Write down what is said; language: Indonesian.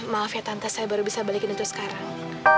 maaf ya tante saya baru bisa balikin untuk sekarang